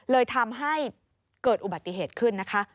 เลยทำให้เกิดอุบัติเหตุขึ้นนะคะ